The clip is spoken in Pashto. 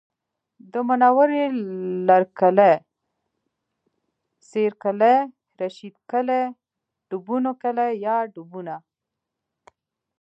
د منورې لرکلی، سېرۍ کلی، رشید کلی، ډبونو کلی یا ډبونه